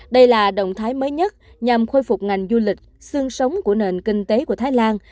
đây là động thái mới nhất nhằm khôi phục ngành du lịch xương sống của nền kinh tế của thái lan